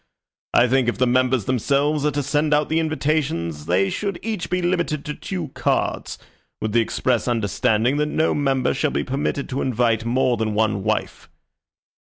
I think, if the members themselves are to send out the invitations, they should each be limited to two cards, with the express understanding that no member shall be permitted to invite more than one wife."